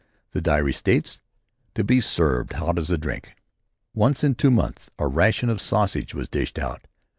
The diary states: "To be served hot as a drink." Once in two months a ration of sausage was dished out.